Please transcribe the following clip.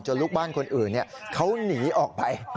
ลูกบ้านคนอื่นเขาหนีออกไป